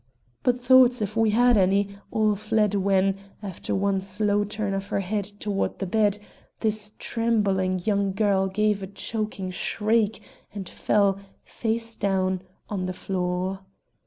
But thoughts, if we had any, all fled when, after one slow turn of her head toward the bed, this trembling young girl gave a choking shriek and fell, face down, on the floor.